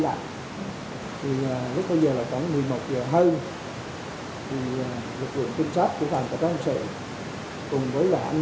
đạt thì lúc đó giờ là khoảng một mươi một giờ hơn thì lực lượng kinh sát của phạm cảnh sơn cùng với là anh